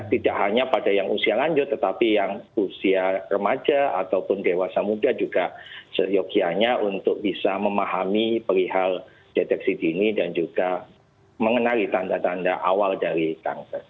tidak hanya pada yang usia lanjut tetapi yang usia remaja ataupun dewasa muda juga seyogianya untuk bisa memahami perihal deteksi dini dan juga mengenali tanda tanda awal dari kanker